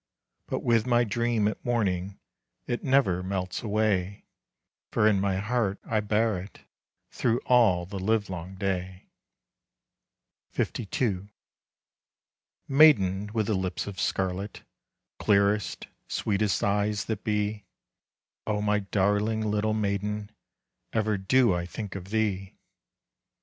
But with my dream at morning, It never melts away; For in my heart I bear it Through all the livelong day. LII. Maiden with the lips of scarlet, Clearest, sweetest eyes that be, O my darling little maiden, Ever do I think of thee!